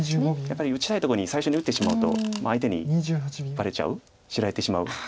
やっぱり打ちたいとこに最初に打ってしまうと相手にばれちゃう知られてしまう。